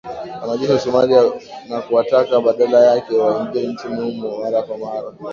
wanajeshi wa Somalia na kuwataka badala yake waingie nchini humo mara kwa mara